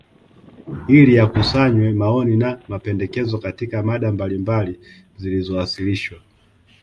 ili yakusanywe maoni na mapendekezo Katika mada mbalimbali zilizowasilishwa